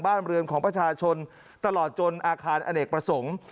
บ้านเรือนของประชาชนตลอดจนอาคารอเนกประสงค์